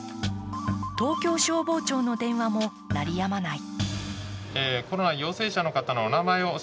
東京消防庁の電話も鳴りやまない。